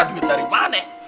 belanja segini dari mana